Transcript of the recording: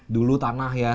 dulu tanah ya